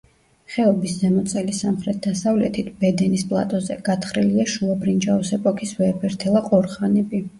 ხეობის ზემო წელის სამხრეთ-დასავლეთით, ბედენის პლატოზე, გათხრილია შუაბრინჯაოს ეპოქის ვეებერთელა ყორღანები.